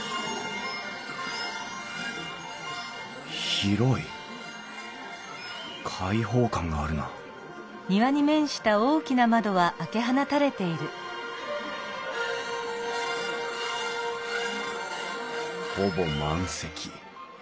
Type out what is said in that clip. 広い開放感があるなほぼ満席。